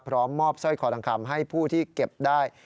พร้อมมอบสร้อยคอทองคำให้ผู้ที่เก็บได้